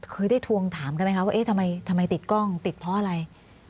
เคยได้ทวงถามกันไหมคะว่าเอ๊ะทำไมติดกล้องติดเพราะอะไร